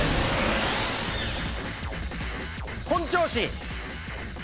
本調子。